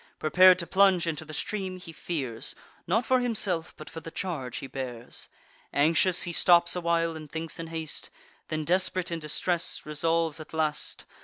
Prepar'd to plunge into the stream, he fears, Not for himself, but for the charge he bears. Anxious, he stops a while, and thinks in haste; Then, desp'rate in distress, resolves at last.